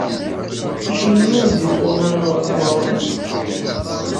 Acimi ur d-ittruḥu ara ɣer tmeɣra?